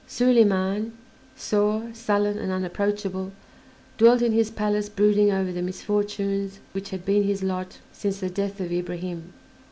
Soliman, sore, sullen, and unapproachable, dwelt in his palace brooding over the misfortunes which had been his lot since the death of Ibrahim.